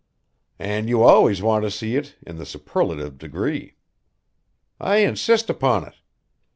"And you always want to see it in the superlative degree." "I insist upon it.